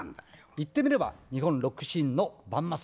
言ってみれば日本ロックシーンのバンマス。